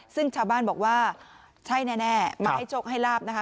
ซึ่งชาวบ้านบอกว่าใช่แน่มาให้โชคให้ลาบนะคะ